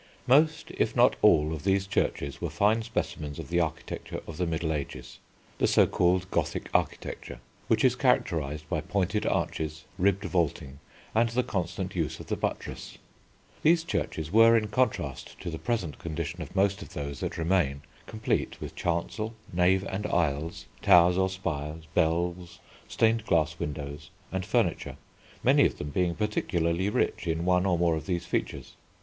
Most, if not all, of these churches were fine specimens of the architecture of the Middle Ages, the so called Gothic architecture, which is characterised by pointed arches, ribbed vaulting, and the constant use of the buttress. These churches were, in contrast to the present condition of most of those that remain, complete with chancel, nave and aisles, towers or spires, bells, stained glass windows, and furniture, many of them being particularly rich in one or more of these features.